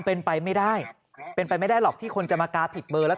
เป็นไปไม่ได้เป็นไปไม่ได้หรอกที่คนจะมากาผิดเบอร์แล้ว